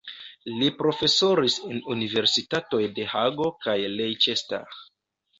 Li profesoris en universitatoj de Hago kaj Leicester.